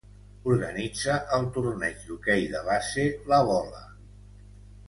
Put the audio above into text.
Organitza el torneig d’hoquei de base La Bola.